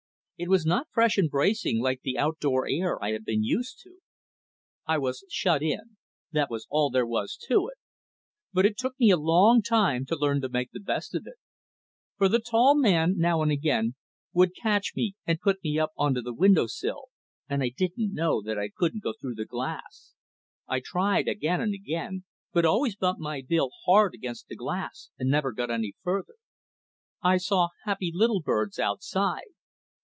It was not fresh and bracing like the out door air I had been used to. I was shut in, that was all there was to it; but it took me a long time to learn to make the best of it. For the tall man, now and again, would catch me and put me up onto the window sill, and I didn't know that I couldn't go through the glass. I tried again and again, but always bumped my bill hard against the glass and never got any further. I saw happy little birds outside.